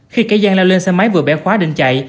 khi cái gian lao lên xe máy vừa bẻ khóa định chạy